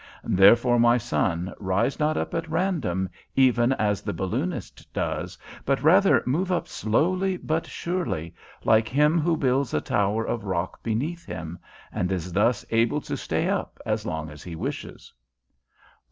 Therefore, my son, rise not up at random, even as the balloonist does, but rather move up slowly but surely, like him who builds a tower of rock beneath him, and is thus able to stay up as long as he pleases.'"